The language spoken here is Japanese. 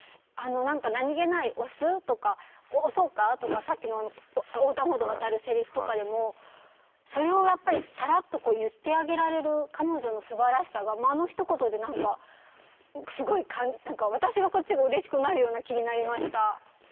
何気ない「押す？」とか「押そうか？」とかさっきの横断歩道を渡るせりふとかでもそれをやっぱりさらっと言ってあげられる彼女のすばらしさがあのひと言で何かすごい私がこっちがうれしくなるような気になりました。